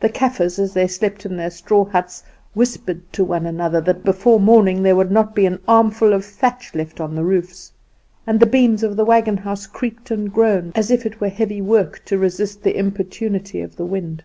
The Kaffers, as they slept in their straw huts, whispered one to another that before morning there would not be an armful of thatch left on the roofs; and the beams of the wagon house creaked and groaned as if it were heavy work to resist the importunity of the wind.